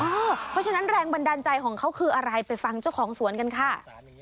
เพราะฉะนั้นแรงบันดาลใจของเขาคืออะไรไปฟังเจ้าของสวนกันค่ะ